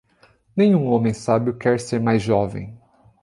Nenhum homem sábio quer ser mais jovem.